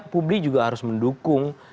publik juga harus mendukung